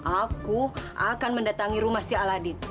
aku akan mendatangi rumah si aladin